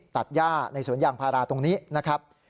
ตัดย่าในสวนยางพาราตรงนี้นะครับ